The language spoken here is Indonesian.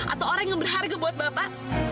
atau orang yang berharga buat bapak